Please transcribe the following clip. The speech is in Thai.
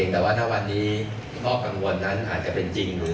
แต่ว่าถ้าวันนี้ข้อกังวลนั้นอาจจะเป็นจริงหรือ